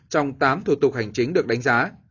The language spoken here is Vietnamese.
trong tám thủ tục hành chính được đánh giá